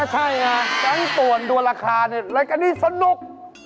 ก็ใช่น่ะตั้งต่วนดูราคารายการนี่สนุก